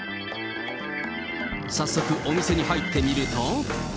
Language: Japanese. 早速、お店に入ってみると。